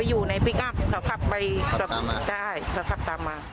จะไปกินต่อ